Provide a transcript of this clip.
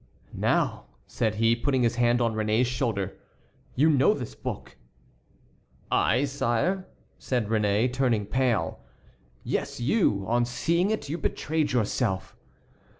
"Now," said he, putting his hand on Réné's shoulder, "you know this book?" "I, sire?" said Réné, turning pale. "Yes, you; on seeing it you betrayed yourself."